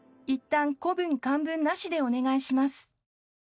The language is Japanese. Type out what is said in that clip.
いったん古文・漢文なしでお願いします。